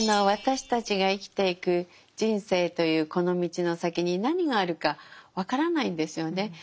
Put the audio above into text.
私たちが生きていく人生というこのみちのさきに何があるか分からないんですよね。